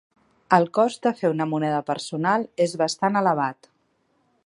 El cost de fer una moneda personal és bastant elevat.